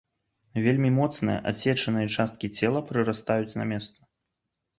Вельмі моцныя, адсечаныя часткі цела прырастаюць на месца.